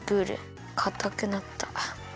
かたくなった。